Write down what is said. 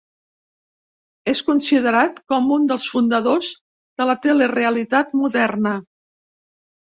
És considerat com un dels fundadors de la telerealitat moderna.